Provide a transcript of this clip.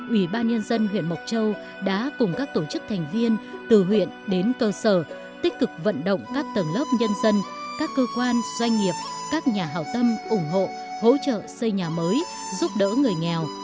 ủy ban nhân dân huyện mộc châu đã cùng các tổ chức thành viên từ huyện đến cơ sở tích cực vận động các tầng lớp nhân dân các cơ quan doanh nghiệp các nhà hảo tâm ủng hộ hỗ trợ xây nhà mới giúp đỡ người nghèo